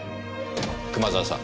熊沢さん。